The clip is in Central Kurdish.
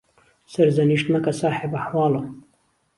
سهر زهنیشت مهکه ساحێب ئهحواڵه